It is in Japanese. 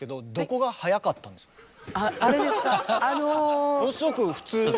ものすごく普通の。